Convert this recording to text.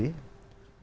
bung neta pane